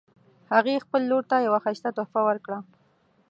هغې خپل لور ته یوه ښایسته تحفه ورکړه